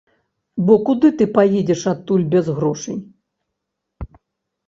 Бо куды ты паедзеш адтуль без грошай?